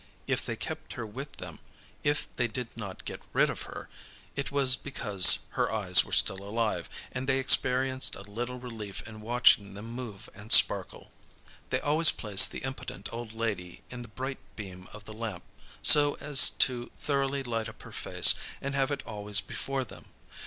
If they kept her with them, if they did not get rid of her, it was because her eyes were still alive, and they experienced a little relief in watching them move and sparkle. They always placed the impotent old lady in the bright beam of the lamp, so as to thoroughly light up her face and have it always before them.